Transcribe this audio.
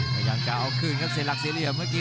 ก็ยังจะเอาคืนครับสิระหลักเสียเหลี่ยวเมื่อกี๊